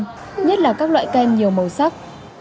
đặc biệt là các loại kem nhiều màu sắc